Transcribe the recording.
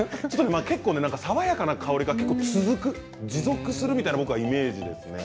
爽やかな香りが続く持続するイメージですね。